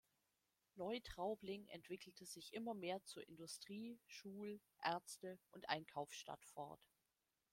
Neutraubling entwickelte sich immer mehr zur Industrie-, Schul-, Ärzte- und Einkaufsstadt fort.